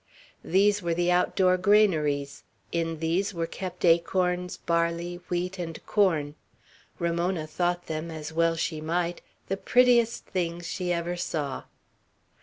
These were the outdoor granaries; in these were kept acorns, barley, wheat, and corn. Ramona thought them, as well she might, the prettiest things she ever saw.